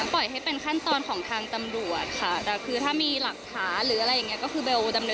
ปล่อยให้เป็นขั้นตอนของทางตำรวจค่ะ